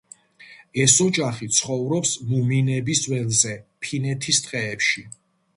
ეს ოჯახი ცხოვრობს მუმინების ველზე, ფინეთის ტყეებში.